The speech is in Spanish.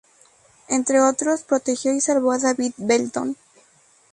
Entre otros protegió y salvó a David Belton.